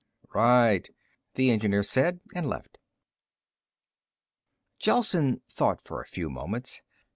"Right," the engineer said, and left. Gelsen thought for a few moments.